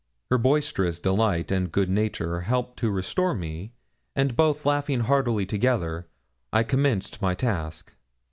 Her boisterous delight and good nature helped to restore me, and both laughing heartily together, I commenced my task.